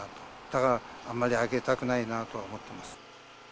だから、あまり上げたくないなとは思ってます。